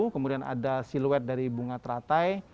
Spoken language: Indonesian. kemudian ada siluet dari bunga teratai